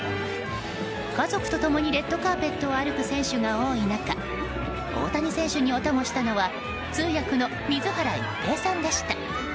家族と共にレッドカーペットを歩く選手が多い中大谷選手にお供したのは通訳の水原一平さんでした。